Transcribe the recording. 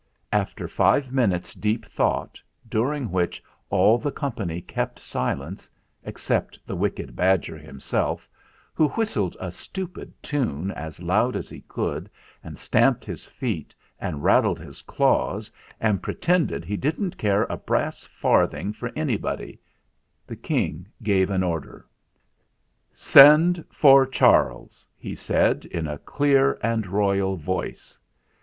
After five minutes' deep thought, during which all the company kept silence, except the wicked badger himself, who whistled a stupid tune as loud as he could and stamped his feet and rattled his claws and pretended he didn't care a brass farthing for anybody, the King gave an order. "Send for Charles!" he said in a clear and royal voice.